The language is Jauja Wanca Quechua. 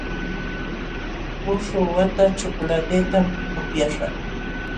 Muśhuq wata chocolatetam upyaśhaq.